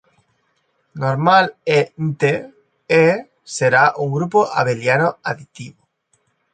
Normalm"e"nte, E será un grupo abeliano aditivo.